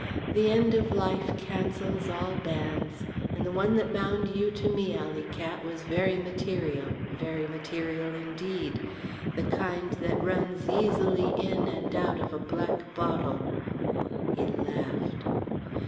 The end of life cancels all bands. And the one that bound you to me, alley cat, was very material, very material indeed. The kind that runs easily in and out of a black bottle." He laughed.